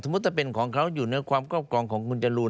สมมุติว่าเป็นของเขาอยู่ในความครอบครองของคุณจรูน